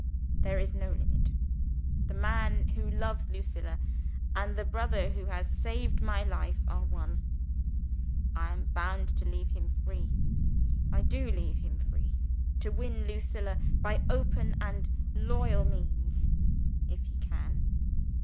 There is no limit. The man who loves Lucilla and the brother who has saved my life are one. I am bound to leave him free I do leave him free to win Lucilla by open and loyal means, if he can.